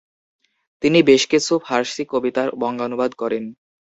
তিনি বেশ কিছু ফার্সি কবিতার বঙ্গানুবাদ করেন।